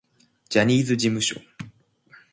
ジャニーズ事務所